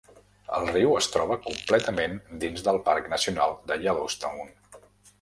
El riu es troba completament dins del Parc Nacional de Yellowstone.